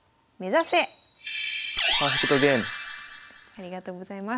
ありがとうございます。